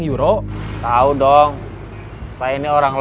bahasa indonesia namanya